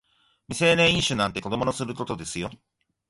未成年飲酒なんて子供のすることですよ